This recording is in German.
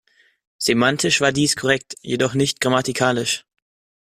Semantisch war dies korrekt, jedoch nicht grammatikalisch.